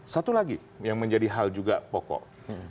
satu lagi yang menjadi hal juga pokok